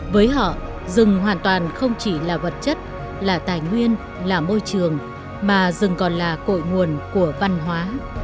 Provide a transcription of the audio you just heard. với họ rừng hoàn toàn không chỉ là vật chất là tài nguyên là môi trường mà rừng còn là cội nguồn của văn hóa